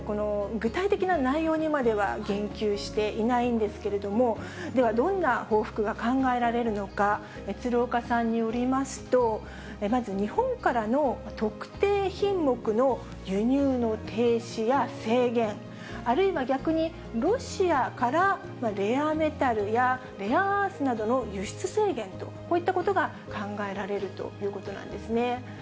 具体的な内容にまでは言及していないんですけれども、ではどんな報復が考えられるのか、鶴岡さんによりますと、まず、日本からの特定品目の輸入の停止や制限、あるいは、逆にロシアからレアメタルやレアアースなどの輸出制限と、こういったことが考えられるということなんですね。